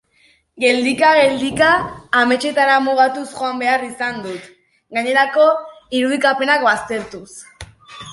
Geldika-geldika, ametsetara mugatuz joan behar izan dut, gainerako irudikapenak baztertuz.